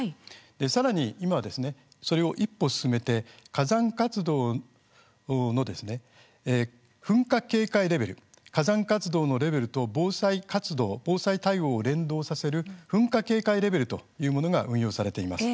さらに今それを一歩進めて噴火警戒レベル火山活動のレベルと防災対応を連動させる噴火警戒レベルというものが運用されています。